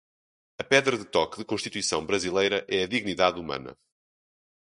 A pedra de toque de Constituição brasileira é a dignidade humana.